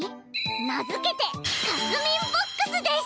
名付けて「かすみんボックス」です！